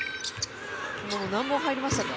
もう、何本入りましたか？